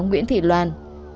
nguyễn thị loan